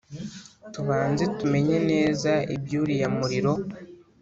tubanze tumenye neza ibyuriya muriro"